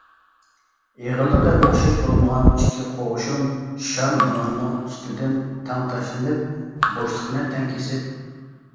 ئېغىرلىقى ئوخشاش بولمىغان ئىككى قوغۇشۇن شار مۇنارنىڭ ئۈستىدىن تەڭ تاشلىنىپ، بوشلۇقنى تەڭ كېسىپ.